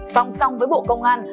song song với bộ công an